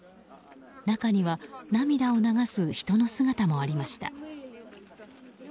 中には涙を流す人の姿もありました。